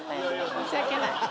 申し訳ない。